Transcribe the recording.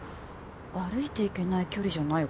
歩いていけない距離じゃないよ